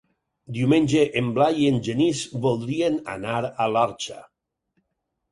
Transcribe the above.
Diumenge en Blai i en Genís voldrien anar a l'Orxa.